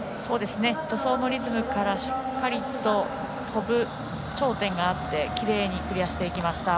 助走のリズムからしっかり跳ぶ頂点があってきれいにクリアしていきました。